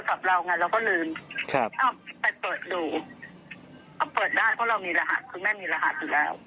เขาเปิดได้เพราะเรามีรหัสคุณแม่มีรหัสอยู่แล้ว